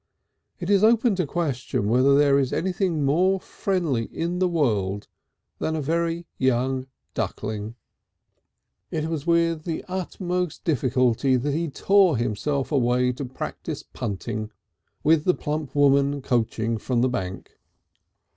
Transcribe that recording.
It is open to question whether there is anything more friendly in the world than a very young duckling. It was with the utmost difficulty that he tore himself away to practise punting, with the plump woman coaching from the bank.